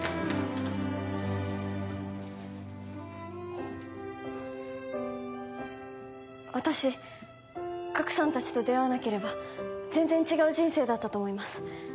あっ私ガクさん達と出会わなければ全然違う人生だったと思います